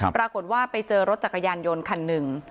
ปรากฏว่าไปเจอรถจักรยานยนต์คันหนึ่ง